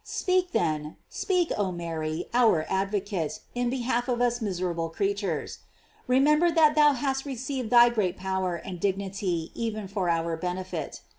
* Speak then, speak, oh Mary our advocate , in behalf of us miserable creatures. Remember that thou hast received thy great power and dignity even for our benefit.